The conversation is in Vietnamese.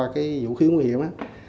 ba cái vũ khí nguy hiểm